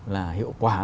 là hiệu quả